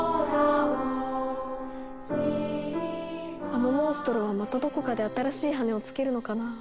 あのモンストロはまたどこかで新しい羽をつけるのかなぁ。